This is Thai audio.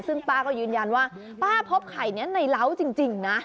ซึ่งป้าก็ยืนยันว่าป้าพบไข่นี้ในเล้าจริงนะ